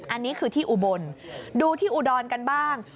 อันนี้คือที่อุบลดูที่อุดรกันบ้าง